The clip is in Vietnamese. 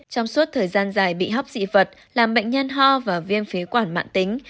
trong suốt thời gian dài bị hấp dị vật làm bệnh nhân ho và viêm phế quản mạng tính